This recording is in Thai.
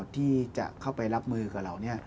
ที่จะเข้าไปรับมือกับเรา